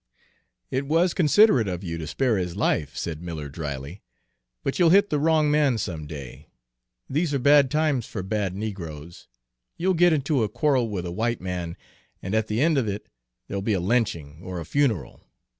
"It was considerate of you to spare his life," said Miller dryly, "but you'll hit the wrong man some day. These are bad times for bad negroes. You'll get into a quarrel with a white man, and at the end of it there'll be a lynching, or a funeral.